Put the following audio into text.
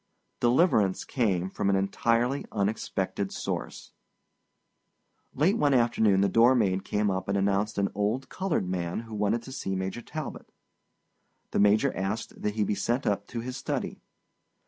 Deliverance came from an entirely unexpected source. Late one afternoon the door maid came up and announced an old colored man who wanted to see Major Talbot. The Major asked that he be sent up to his study.